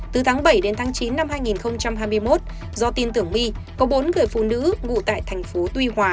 từ tháng bảy đến tháng chín năm hai nghìn hai mươi một do tin tưởng my có bốn người phụ nữ ngụ tại thành phố tuy hòa